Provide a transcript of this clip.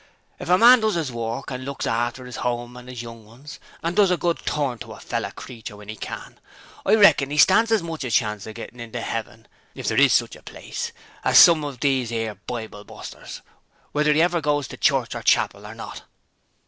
If a man does 'is work and looks arter 'is 'ome and 'is young 'uns, and does a good turn to a fellow creature when 'e can, I reckon 'e stands as much chance of getting into 'eaven if there IS sich a place as some of there 'ere Bible busters, whether 'e ever goes to church or chapel or not.'